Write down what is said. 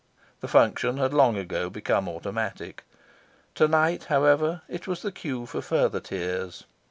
The function had long ago become automatic. To night, however, it was the cue for further tears.